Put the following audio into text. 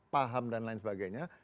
paham dan lain sebagainya